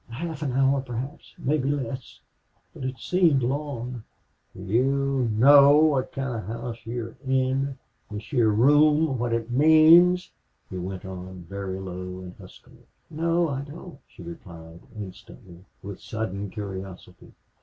"Half an hour, perhaps; maybe less. But it seemed long." "Do you know what kind of a house you're in this heah room what it means?" he went on, very low and huskily. "No, I don't," she replied, instantly, with sudden curiosity.